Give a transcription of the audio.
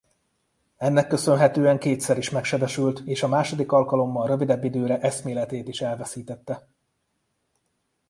Ennek köszönhetően kétszer is megsebesült és a második alkalommal rövidebb időre eszméletét is elveszítette.